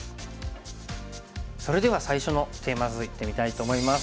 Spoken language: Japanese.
それでは最初のテーマ図いってみたいと思います。